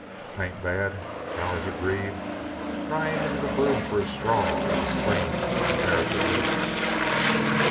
"'Tain't bad," Bowers agreed, prying into the broom for a straw that was clean, comparatively.